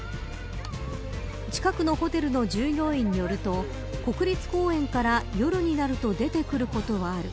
近くのホテルの従業員によると国立公園から夜になると出てくることはある。